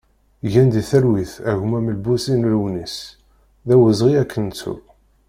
Gen di talwit a gma Melbusi Lewnis, d awezɣi ad k-nettu!